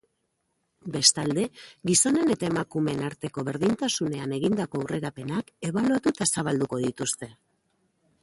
Bestalde, gizonen eta emakumeen arteko berdintasunean egindako aurrerapenak ebaluatu eta zabalduko dituzte.